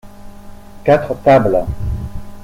Quatre tables.